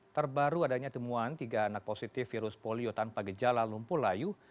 terbaru adanya temuan tiga anak positif virus polio tanpa gejala lumpuh layu